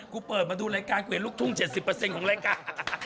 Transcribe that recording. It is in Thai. กูเปิดมาดูรายการเวียนลุคทุ่ง๗๐ของรายการ